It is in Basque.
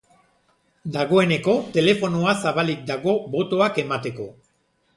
Dagoeneko telefonoa zabalik dago botoak emateko.